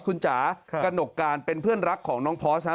คุณจ๋ากระหนกการเป็นเพื่อนรักของน้องพอร์สฮะ